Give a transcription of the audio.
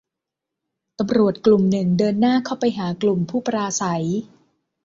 ตำรวจกลุ่มหนึ่งเดินหน้าเข้าไปหากลุ่มผู้ปราศรัย